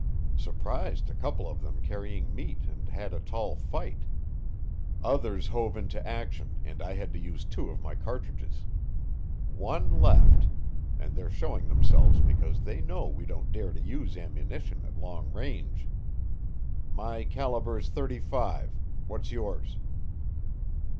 Surprised a couple of them carrying meat and had a tall fight. Others hove into action and I had to use two of my cartridges. One left and they're showing themselves because they know we don't dare to use ammunition at long range. My caliber is thirty five. What's yours?"